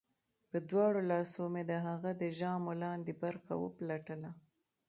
په دواړو لاسو مې د هغه د ژامو لاندې برخه وپلټله